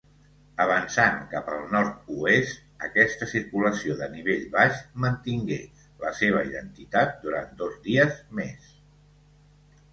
Avançant cap al nord-oest, aquesta circulació de nivell baix mantingué la seva identitat durant dos dies més.